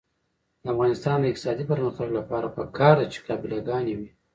د افغانستان د اقتصادي پرمختګ لپاره پکار ده چې قابله ګانې وي.